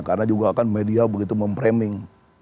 karena juga kan media begitu mempriming